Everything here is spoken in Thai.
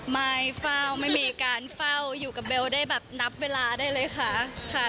ไมค์ฟ่าวไม่มีการฟ่าวอยู่กับเบลล์ได้แบบนับเวลาได้เลยค่ะ